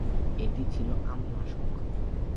এটি ছিল আম-নাশক।